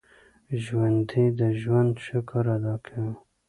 ژوندي د ژوند شکر ادا کوي